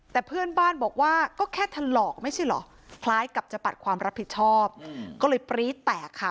แต่เพื่อนบ้านบอกว่าก็แค่ถลอกไม่ใช่เหรอคล้ายกับจะปัดความรับผิดชอบก็เลยปรี๊ดแตกค่ะ